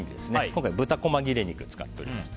今回、豚細切れ肉を使っております。